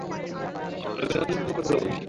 আমি অন্য কাউকে ভালোবাসি।